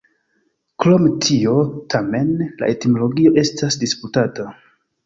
Krom tio, tamen, la etimologio estas disputata.